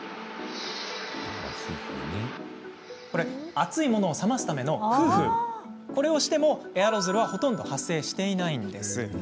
熱いものを冷ますためふうふうしても、エアロゾルはほとんど発生しないんです。